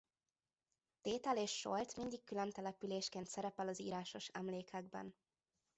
Tétel és Solt mindig külön településként szerepel az írásos emlékekben.